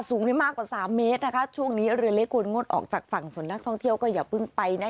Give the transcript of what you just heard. สูงได้มากกว่าสามเมตรนะคะช่วงนี้เรือเล็กควรงดออกจากฝั่งส่วนนักท่องเที่ยวก็อย่าเพิ่งไปนะ